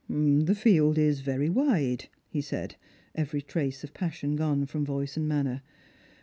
" The field is very wide," he said, every trace of passion gone from voice and manner.